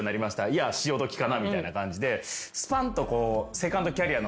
いや潮時かなみたいな感じで。